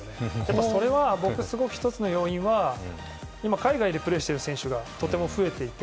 それは１つの要因は今、海外でプレーしている選手がとても増えていて。